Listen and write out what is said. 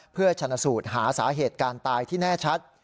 เพื่อชนะสูตรหาสาเหตุการตายที่แน่ชัด